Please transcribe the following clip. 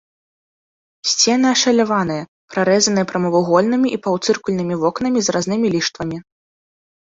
Сцены ашаляваныя, прарэзаныя прамавугольнымі і паўцыркульнымі вокнамі з разнымі ліштвамі.